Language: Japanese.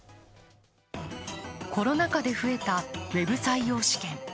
コロナ禍で増えたウェブ採用試験。